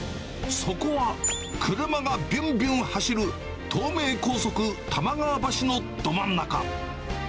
そこは、車がびゅんびゅん走る東名高速多摩川橋のど真ん中。